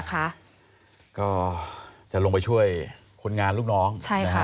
ก็จะลงไปช่วยคนงานลูกน้อง